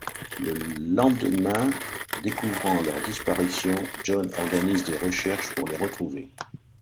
Le lendemain, découvrant leur disparition John organise des recherches pour les retrouver.